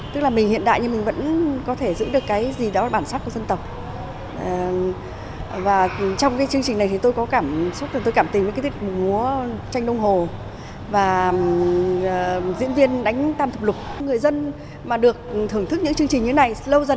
tức là mình hiện nay